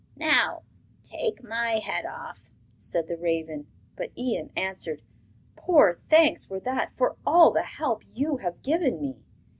'Now take my head off,' said the raven. But Ian answered: 'Poor thanks were that for all the help you have given me.